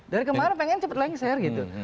dari kemarin pengen cepat lengser gitu